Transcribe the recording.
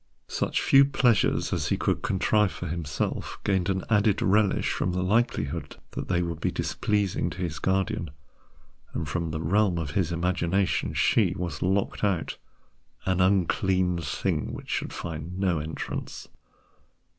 Such few pleasures as he could contrive for himself gained an added relish from the likelihood that they would be displeasing to his guardian, and from the realm of his imagination she was locked out—an unclean thing, which should find no entrance.